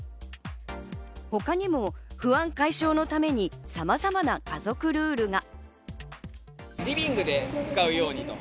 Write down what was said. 他にも不安解消のためにさまざまな家族ルールが。